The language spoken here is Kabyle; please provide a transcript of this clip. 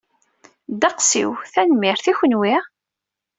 Ddeqs-iw, tanemmirt. I kenwi?